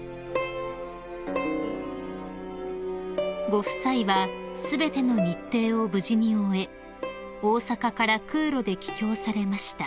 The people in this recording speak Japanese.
［ご夫妻は全ての日程を無事に終え大阪から空路で帰京されました］